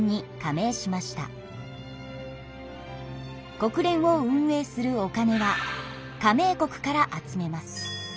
国連を運営するお金は加盟国から集めます。